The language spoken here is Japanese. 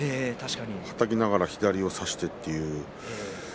はたきながら左を差してという。